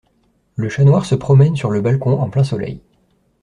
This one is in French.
Le chat noir se promène sur le balcon en plein soleil.